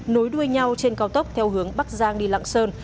nối đuôi nhau trên cao tốc theo hướng bắc giang đi lạng sơn